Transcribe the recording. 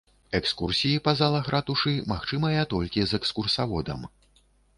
Экскурсіі па залах ратушы магчымыя толькі з экскурсаводам.